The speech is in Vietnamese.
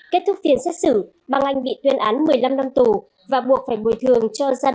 kết thúc phiên xét xử bàng anh bị tuyên án một mươi năm năm tù và buộc phải bồi thường cho gia đình